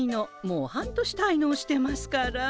もう半年たいのうしてますから。